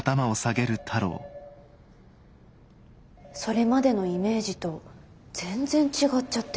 それまでのイメージと全然違っちゃってて。